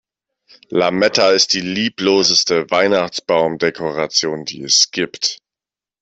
Lametta ist die liebloseste Weihnachtsbaumdekoration, die es gibt.